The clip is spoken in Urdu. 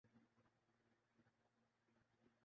پیالے میں ایک چمچ پانی کے ساتھ ایک لیموں کا رس نچوڑیں